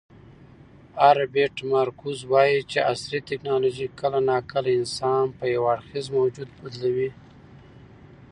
هربرت مارکوز وایي چې عصري ټیکنالوژي کله ناکله انسان په یو اړخیز موجود بدلوي.